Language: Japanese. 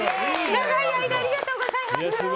長い間ありがとうございます。